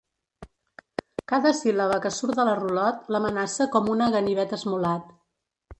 Cada síl·laba que surt de la rulot l'amenaça com una ganivet esmolat.